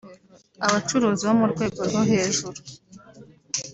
Abacuruzi bo mu rwego rwo hejuru